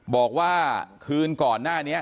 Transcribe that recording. บอกว่าคืนก่อนหน้านี้